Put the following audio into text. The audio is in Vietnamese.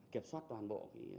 kiểm soát toàn bộ